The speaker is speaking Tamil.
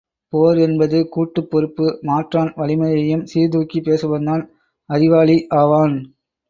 போர் என்பது கூட்டுப் பொறுப்பு மாற்றான் வலிமையையும் சீர் தூக்கிப் பேசுபவன்தான் அறிவாளி ஆவான்.